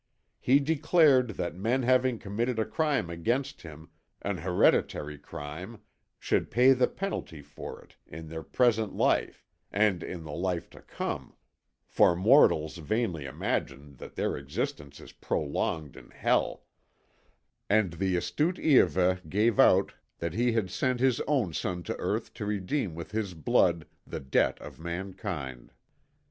He declared that men having committed a crime against him, an hereditary crime, should pay the penalty for it in their present life and in the life to come (for mortals vainly imagine that their existence is prolonged in hell); and the astute Iahveh gave out that he had sent his own son to earth to redeem with his blood the debt of mankind.